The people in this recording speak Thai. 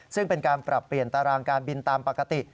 ซึ่งเป็นการปรับเปลี่ยนตารางการบินตามปกติ